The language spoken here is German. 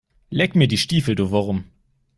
Leck mir die Stiefel, du Wurm!